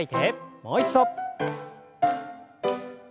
もう一度。